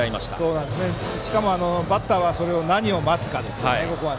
しかもバッターは何を待つかですよね。